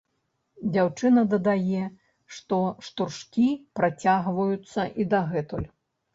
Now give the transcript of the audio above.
Дзяўчына дадае, што штуршкі працягваюцца і дагэтуль.